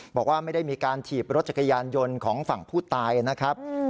บอกว่าไม่ได้มีการถีบรถจักรยานยนต์ของฝั่งผู้ตายนะครับ